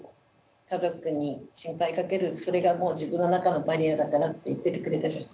家族に心配かけるそれがもう自分の中のバリアだからって言っててくれたじゃん。